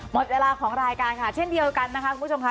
หมดเวลาของรายการค่ะเช่นเดียวกันนะคะคุณผู้ชมค่ะ